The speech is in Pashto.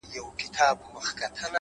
صبر د ځواک نښه ده’